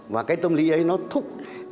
và cái tâm lý ấy nó thúc